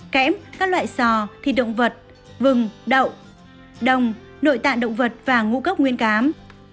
kẽm các loại sò thịt động vật vừng đậu đồng nội tạng động vật và ngũ cốc nguyên cám